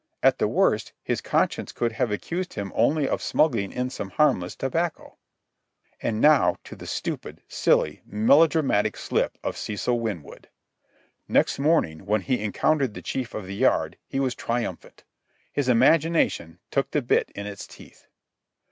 At the worst, his conscience could have accused him only of smuggling in some harmless tobacco. And now to the stupid, silly, melodramatic slip of Cecil Winwood. Next morning, when he encountered the Captain of the Yard, he was triumphant. His imagination took the bit in its teeth.